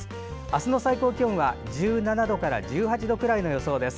明日の最高気温は１７度から１８度くらいの予想です。